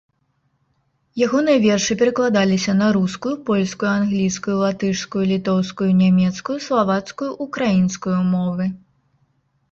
Ягоныя вершы перакладаліся на рускую, польскую, англійскую, латышскую, літоўскую, нямецкую, славацкую, украінскую мовы.